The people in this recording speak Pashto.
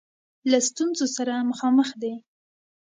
له ستونزه سره مخامخ دی.